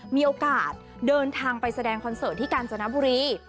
มีโอกาสเดินทางไปแสดงคอนเสิร์ตที่กาญจนบุรี